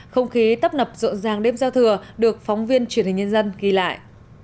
không khí tấp nập rộn ràng đêm giao thừa được phóng viên truyền hình nhân dân ghi lại